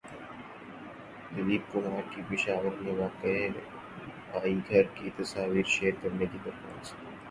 دلیپ کمار کی پشاور میں واقع بائی گھر کی تصاویر شیئر کرنے کی درخواست